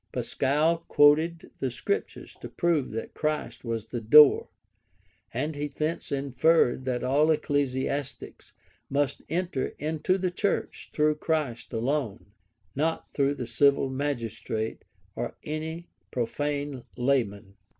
Pascal quoted the Scriptures to prove that Christ was the door; and he thence inferred that all ecclesiastics must enter into the church through Christ alone, not through the civil magistrate, or any profane laymen.